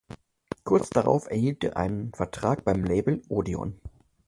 Kurz darauf erhielt er einen Vertrag beim Label "Odeon".